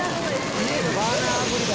バーナー炙りだ。